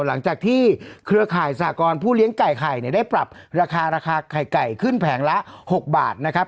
หลังจากที่เครือข่ายสหกรผู้เลี้ยงไก่ไข่เนี่ยได้ปรับราคาราคาไข่ไก่ขึ้นแผงละ๖บาทนะครับ